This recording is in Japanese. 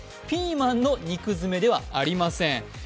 ピーマンの肉詰めではありません。